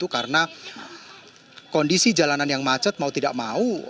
karena kondisi jalanan yang macet mau tidak mau